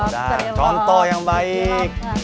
udah contoh yang baik